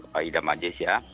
pak ida majes ya